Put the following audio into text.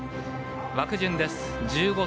枠順です。